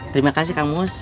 terima kasih kamus